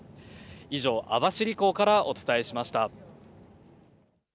以上、網走港からお伝えしました。